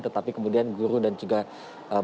tetapi kemudian guru dan juga guru